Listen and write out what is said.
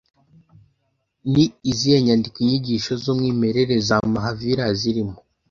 Ni izihe nyandiko inyigisho z'umwimerere za Mahavira zirimo